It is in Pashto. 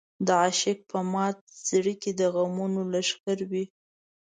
د عاشق په مات زړه کې د غمونو لښکر وي.